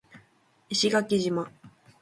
石垣島